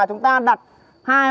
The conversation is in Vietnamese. cố lên nào